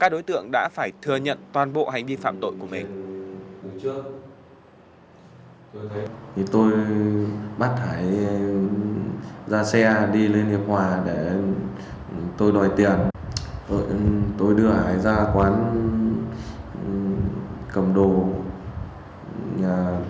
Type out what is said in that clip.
đối tượng đã phải thừa nhận toàn bộ hành vi phạm tội của mình